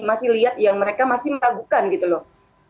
masih lihat yang mereka masih meragukan gitu loh